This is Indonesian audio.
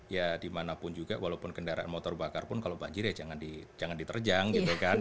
ya dimanapun juga walaupun kendaraan motor bakar pun kalau banjir ya jangan diterjang gitu kan